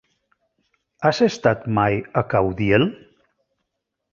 Has estat mai a Caudiel?